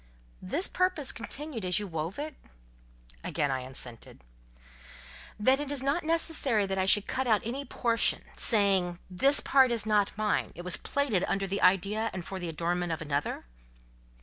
"This purpose continued as you wove it?" Again I assented. "Then it is not necessary that I should cut out any portion—saying, this part is not mine: it was plaited under the idea and for the adornment of another?"